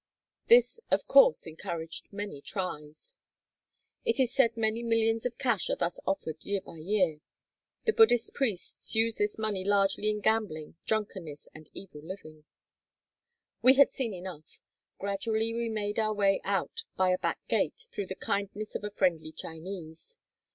This, of course, encouraged many trys. It is said many millions of cash are thus offered year by year. The Buddhist priests use this money largely in gambling, drunkeness, and evil living. We had seen enough. Gradually we made our way out by a back gate through the kindness of a friendly Chinese.